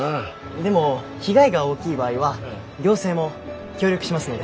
でも被害が大きい場合は行政も協力しますので。